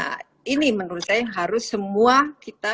nah ini menurut saya yang harus semua kita